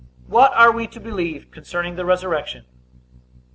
What are we to believe concerning the resurrection?